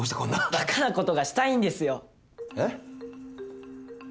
バカなことがしたいんですよ。えっ？